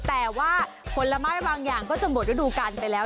แต่ว่าผลไม้บางอย่างก็จะหมดฤดูการไปแล้ว